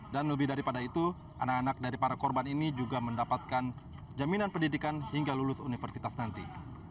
dan lebih daripada itu anak anak dari para korban ini juga mendapatkan jaminan pendidikan hingga lulus universitas nanti